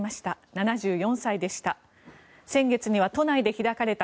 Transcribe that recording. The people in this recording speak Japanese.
７４歳でした。